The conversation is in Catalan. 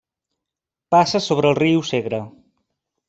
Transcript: Passa sobre el riu Segre.